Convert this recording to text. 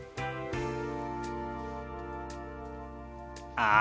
ああ。